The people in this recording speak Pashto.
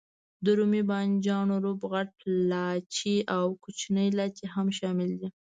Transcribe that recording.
د رومي بانجانو روب، غټ لاچي او کوچنی لاچي هم شامل دي.